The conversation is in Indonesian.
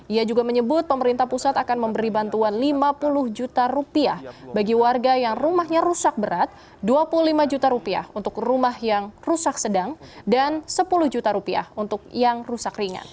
ia juga menyebut pemerintah pusat akan memberi bantuan lima puluh juta rupiah bagi warga yang rumahnya rusak berat dua puluh lima juta rupiah untuk rumah yang rusak sedang dan sepuluh juta rupiah untuk yang rusak ringan